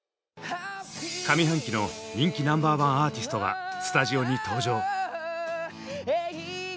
上半期の人気ナンバーワンアーティストがスタジオに登場！